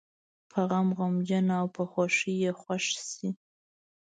په غم غمجن او په خوښۍ یې خوښ شي.